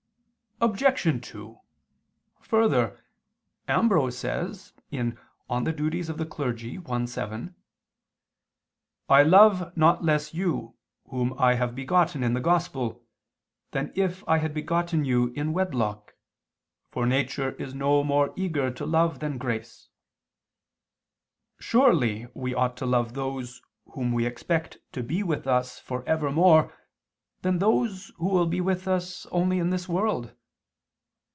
Obj. 2: Further, Ambrose says (De Officiis i, 7): "I love not less you whom I have begotten in the Gospel, than if I had begotten you in wedlock, for nature is no more eager to love than grace." Surely we ought to love those whom we expect to be with us for ever more than those who will be with us only in this world.